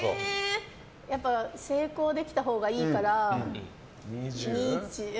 やっぱり成功できたほうがいいから。